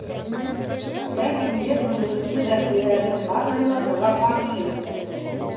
Ләкин ер бүлеүсе вәкилдәрҙең барыһы ла быға ҡаршы ине.